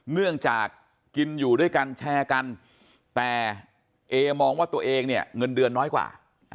เนื่องจากกินอยู่ด้วยกันแชร์กันแต่เอมองว่าตัวเองเนี่ยเงินเดือนน้อยกว่า